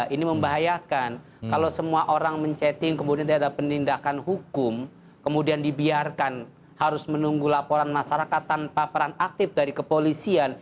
ini membahayakan kalau semua orang men chatting kemudian tidak ada penindakan hukum kemudian dibiarkan harus menunggu laporan masyarakat tanpa peran aktif dari kepolisian